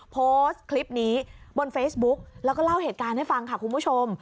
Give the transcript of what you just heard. โพสต์คลิปนี้บนเฟซบุ๊กแล้วก็เล่าเหตุการณ์ให้ฟังค่ะคุณผู้ชม